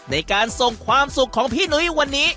ในการส่งความสุขของพี่หนุ้ยวันนี้